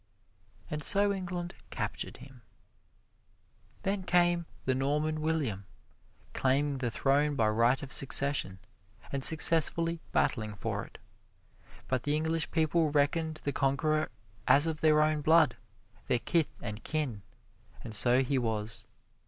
And so England captured him. Then came the Norman William, claiming the throne by right of succession, and successfully battling for it; but the English people reckoned the Conqueror as of their own blood their kith and kin and so he was.